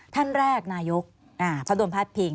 ท่านแรกนายกเขาโดนพาดพิง